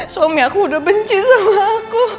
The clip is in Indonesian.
suami aku udah benci sama aku